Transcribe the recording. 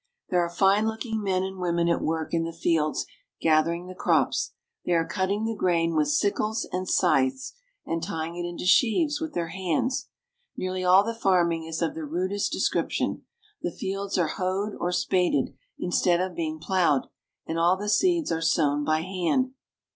There are fine looking men and women at work in the fields gathering the crops. They are cutting the grain with sickles and scythes, and tying it into sheaves with their hands. Nearly all the farming is of the rudest descrip tion. The fields are hoed or spaded instead of being plowed, and all the seeds are sown by hand.